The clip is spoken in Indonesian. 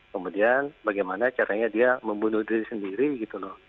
kemudian bagaimana caranya dia membunuh diri sendiri gitu loh